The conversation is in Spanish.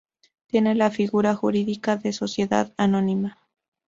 Tiene la figura jurídica de Sociedad Anónima.